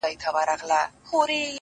ستا دپښو سپين پايزيبونه زما بدن خوري ـ